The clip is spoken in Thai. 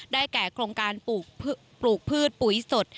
แก่โครงการปลูกพืชปุ๋ยสด